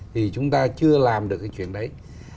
thì chúng ta chưa làm được cái chuyện đấy